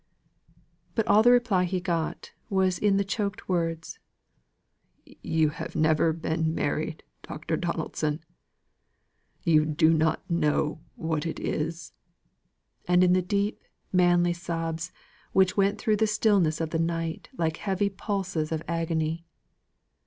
But all the reply he got was in the choked words, "You have never been married, Dr. Donaldson; you don't know what it is," and in the deep, manly sobs, which went through the stillness of the night like heavy pulses of agony.